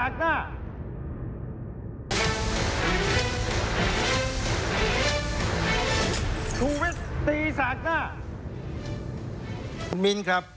คุณมิ้นครับ